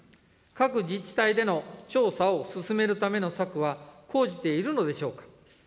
各自治体での調査を進めるための策は講じているのでしょうか。